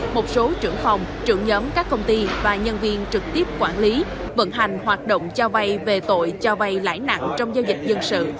một số trưởng phòng trưởng nhóm các công ty và nhân viên trực tiếp quản lý vận hành hoạt động cho vay về tội cho vay lãi nặng trong giao dịch dân sự